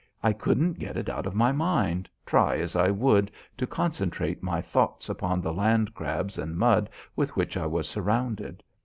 I couldn't get it out of my mind, try as I would to concentrate my thoughts upon the land crabs and mud with which I was surrounded.